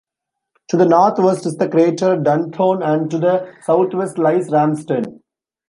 To the northwest is the crater Dunthorne, and to the southwest lies Ramsden.